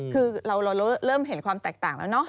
คือเราเริ่มเห็นความแตกต่างแล้วเนาะ